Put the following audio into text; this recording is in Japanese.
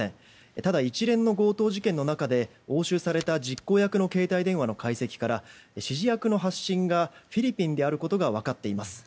ただ、一連の強盗事件の中で押収された実行役の携帯電話の解析から指示役の発信がフィリピンであることが分かっています。